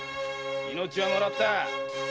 命はもらった。